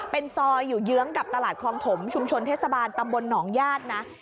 เป็นซอยอยู่เยื้องกับตลาดคลองถมชุมชนเทศบาลตำบลหนองญาตินะ